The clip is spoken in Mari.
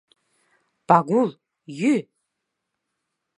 — Пагул, йӱ...